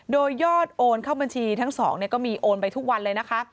โดยยอดโอนเข้าบัญชีทั้งสองก็มีโอนไปทุกวันเลยนะคะ